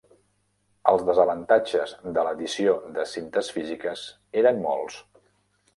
Els desavantatges de l'edició de cintes físiques eren molts.